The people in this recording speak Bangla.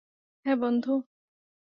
হ্যাঁ, বন্ধু।